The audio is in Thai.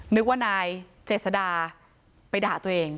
นึกว่านายเจษดาไปด่าตัวเอง